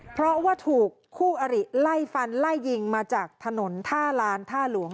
เพราะว่าถูกคู่อริไล่ฟันไล่ยิงมาจากถนนท่าลานท่าหลวง